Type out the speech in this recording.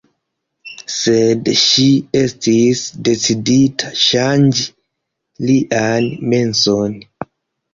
Sed ŝi estis decidita ŝanĝi lian menson.